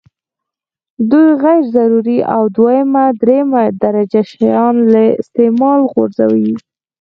دوی غیر ضروري او دویمه او درېمه درجه شیان له استعماله غورځوي.